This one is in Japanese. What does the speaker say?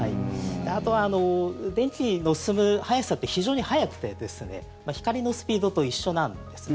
あとは電気の進む速さって非常に速くて光のスピードと一緒なんです。